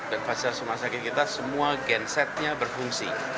dan fasilitas rumah sakit kita semua gensetnya berfungsi